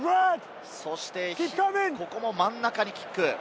ここも真ん中にキック。